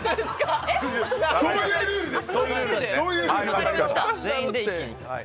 そういうルールです。